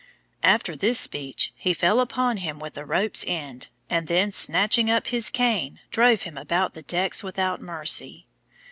After this speech, he fell upon him with a rope's end, and then snatching up his cane, drove him about the decks without mercy.